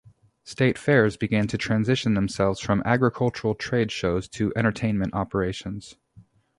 State fairs began to transition themselves from agricultural trade shows to entertainment operations.